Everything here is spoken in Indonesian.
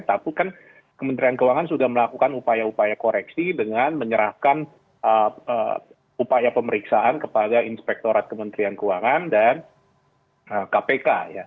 tapi kan kementerian keuangan sudah melakukan upaya upaya koreksi dengan menyerahkan upaya pemeriksaan kepada inspektorat kementerian keuangan dan kpk